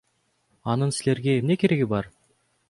Анын силерге эмне кереги бар?